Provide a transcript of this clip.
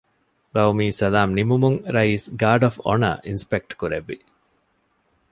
ޤައުމީ ސަލާމް ނިމުމުން ރައީސް ގާރޑް އޮފް އޮނަރ އިންސްޕެކްޓް ކުރެއްވި